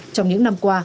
trong những năm qua